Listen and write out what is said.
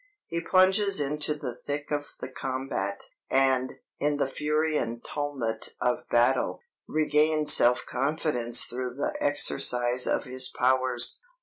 He plunges into the thick of the combat, and, in the fury and tumult of battle, regains self confidence through the exercise of his powers."